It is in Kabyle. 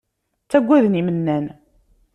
Ttagaden imennan.